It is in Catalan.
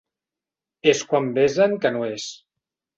És quan besen que no és.